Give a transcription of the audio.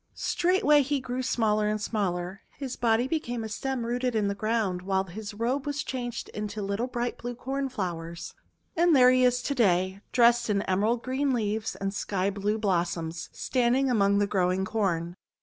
Straightway he grew smaller and smaller. His body became a stem rooted in the ground, while his robe was changed into little, bright blue Cornflowers. And there he is to day, dressed in emerald green leaves and sky blue blossoms, standing among the growing Corn.